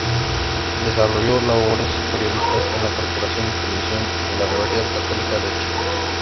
Desarrolló labores periodísticas en la Corporación de Televisión de la Universidad Católica de Chile.